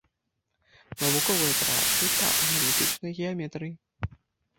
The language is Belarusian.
Навуковыя працы па аналітычнай геаметрыі.